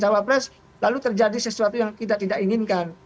cawapres lalu terjadi sesuatu yang kita tidak inginkan